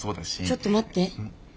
ちょっと待って。